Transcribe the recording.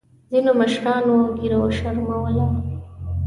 ځینو مشرانو ګیره وشرمولـه.